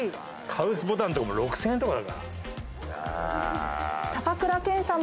カフスボタンとかも６０００円とかだから。